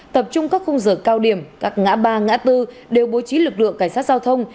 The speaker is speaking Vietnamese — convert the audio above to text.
tập trung các khung giờ cao điểm các ngã ba ngã bốn đều bố trí lực lượng cảnh sát giao thông